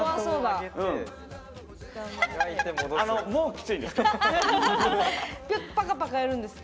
もう、きついです。